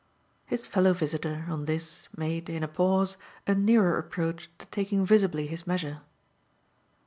His fellow visitor, on this, made, in a pause, a nearer approach to taking visibly his measure.